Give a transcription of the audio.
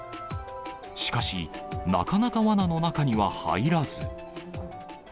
しかし、なかなかわなの中には入らず。